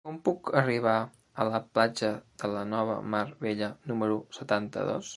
Com puc arribar a la platja de la Nova Mar Bella número setanta-dos?